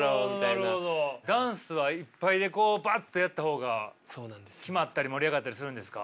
ダンスはいっぱいでこうバッとやった方が決まったり盛り上がったりするんですか？